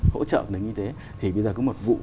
hỗ trợ đến như thế thì bây giờ có một vụ